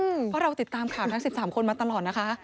เพราะเราติดตามข่าวทั้ง๑๓คนมาตลอดนะคะ